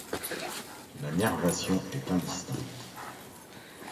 La nervation est indistincte.